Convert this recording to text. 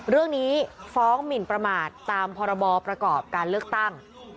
เรื่องนี้ฟ้องหมินประมาทตามพรบประกอบการเลือกตั้ง